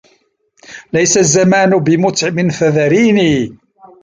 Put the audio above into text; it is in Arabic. ليس الزمان بمعتب فذريني